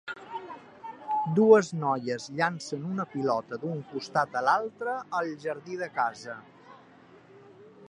Dues noies llancen una pilota d'un costat a l'altre al jardí de casa.